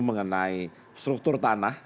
mengenai struktur tanah